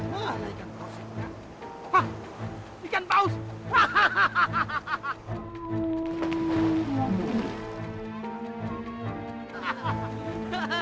hah ikan paus hahaha